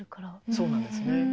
そうなんですね。